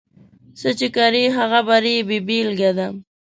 څه چې کرې، هغه به رېبې بېلګه ده.